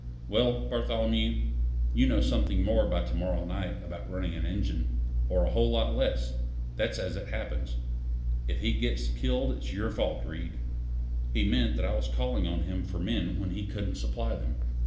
Well, Bartholomew, you'll know something more by to morrow night about running an engine, or a whole lot less: that's as it happens. If he gets killed, it's your fault, Reed." He meant that I was calling on him for men when he couldn't supply them.